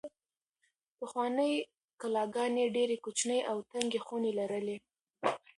پخوانۍ کلاګانې ډېرې کوچنۍ او تنګې خونې لرلې.